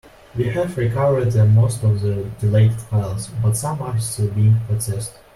We have recovered most of the deleted files, but some are still being processed.